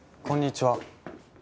こんにちは。